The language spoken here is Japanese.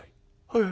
「はい。